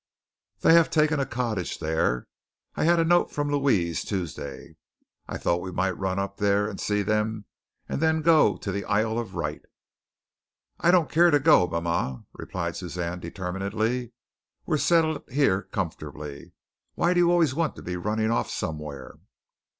They have taken a cottage there. I had a note from Louise, Tuesday. I thought we might run up there and see them and then go to the Isle of Wight." "I don't care to go, mama," replied Suzanne determinedly. "We're settled here comfortably. Why do you always want to be running off somewhere?"